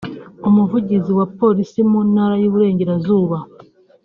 Umuvugizi wa Polisi mu Ntara y’Iburengerazuba